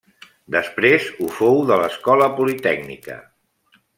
Després ho fou de l'Escola Politècnica.